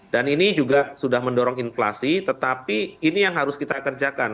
dan ini juga sudah mendorong inflasi tetapi ini yang harus kita kerjakan